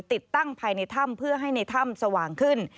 ติดตั้งภายในถ้ำเพื่อให้ในถ้ำสว่างขึ้น